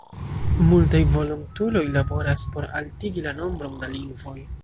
Multaj volontuloj laboras por altigi la nombron da lingvoj.